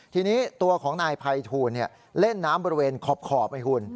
ทีนี้ตัวของนายภัยทูลเล่นน้ำบริเวณขอบไอ้คุณ